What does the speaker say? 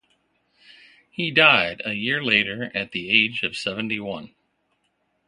He died a year later at the age of seventy-one.